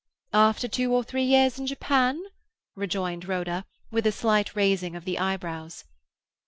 "After two or three years in Japan," rejoined Rhoda, with a slight raising of the eyebrows.